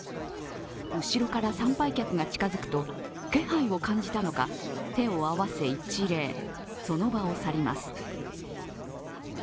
後ろから参拝客が近づくと気配を感じたのか手を合わせ一礼、その場を去ります。